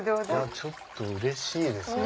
ちょっとうれしいですね。